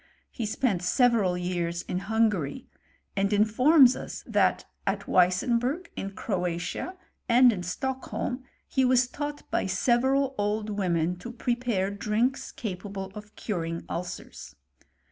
* He spent several years in Hungary; and informs us that at Weissenburg, in Cjcpatia, and in Stockholm, he was taught by several pld women to prepare drinks capable of curing ulcere.